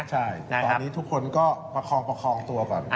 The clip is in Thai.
ใช่ตอนนี้ทุกคนก็ประครองตัวก่อนครับก่อน